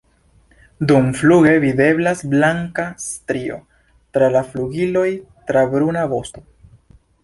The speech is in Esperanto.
Dumfluge videblas blanka strio tra la flugiloj kaj bruna vosto.